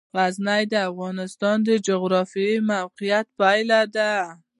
غزني د افغانستان د جغرافیایي موقیعت پایله ده.